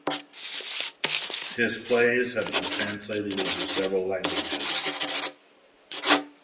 His plays have been translated into several languages.